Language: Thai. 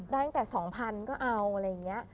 ตั้งแต่๒๐๐๐ก็เอาอะไรอย่างนี้